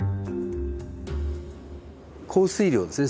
降水量ですね